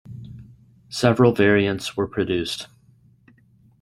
Several variants were produced.